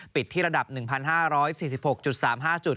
ที่ระดับ๑๕๔๖๓๕จุด